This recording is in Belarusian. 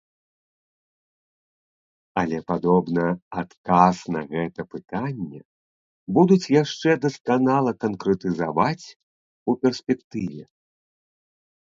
Але, падобна, адказ на гэта пытанне будуюць яшчэ дасканала канкрэтызаваць ў перспектыве.